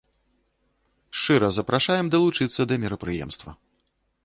Шчыра запрашаем далучыцца да мерапрыемства.